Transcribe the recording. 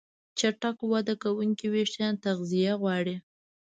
چټک وده کوونکي وېښتيان تغذیه غواړي.